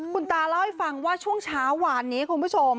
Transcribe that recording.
คุณตาเล่าให้ฟังว่าช่วงเช้าวานนี้คุณผู้ชม